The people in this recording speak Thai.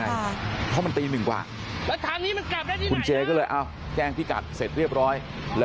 แล้วทำแบบนี้มันกลับไปที่ไหนคุณเจก็เลยเอ้าแจ้งพี่กัดเสร็จเรียบร้อย